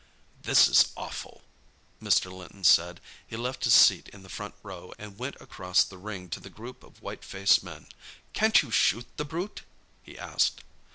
"This is awful," Mr. Linton said. He left his seat in the front row and went across the ring to the group of white faced men. "Can't you shoot the brute?" he asked.